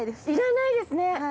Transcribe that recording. いらないですね。